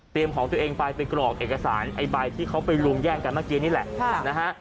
ของตัวเองไปไปกรอกเอกสารไอ้ใบที่เขาไปลวงแย่งกันเมื่อกี้นี่แหละนะฮะ